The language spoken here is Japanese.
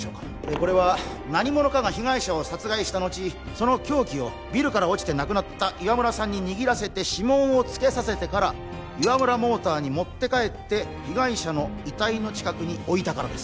これは何者かが被害者を殺害したのちその凶器をビルから落ちて亡くなった岩村さんに握らせて指紋をつけさせてから岩村モーターに持って帰って被害者の遺体の近くに置いたからです